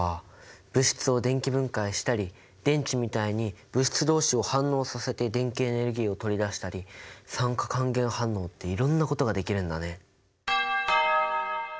物質を電気分解したり電池みたいに物質どうしを反応させて電気エネルギーを取り出したり酸化還元反応っていろんなことができるんだね。